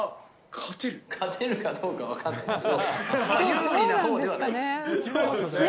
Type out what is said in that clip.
勝てるかどうか分かんないですけど。